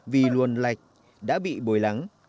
vì luồn lạch đã bị bồi lắng